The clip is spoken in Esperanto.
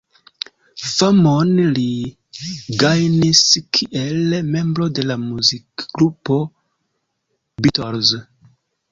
Famon li gajnis kiel membro de la muzikgrupo Beatles.